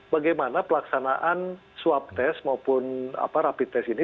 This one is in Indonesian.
bagaimana pelaksanaan swab test maupun rapid test ini